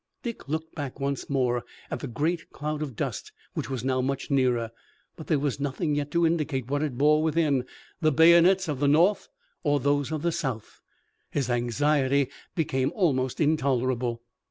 Dick looked back once more at the great cloud of dust which was now much nearer, but there was nothing yet to indicate what it bore within, the bayonets of the North or those of the South. His anxiety became almost intolerable.